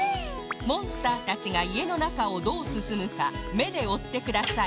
モンスターたちがいえのなかをどうすすむかめでおってください